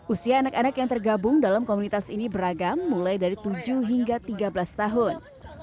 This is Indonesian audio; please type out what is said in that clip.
usia anak anak yang tergabung dalam komunitas ini beragam mulai dari tujuh hingga tiga belas tahun